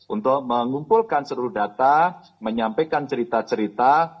untuk mengumpulkan seluruh data menyampaikan cerita cerita